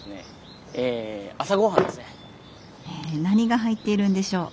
え何が入っているんでしょう？